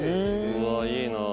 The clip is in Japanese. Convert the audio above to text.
うわいいなあ。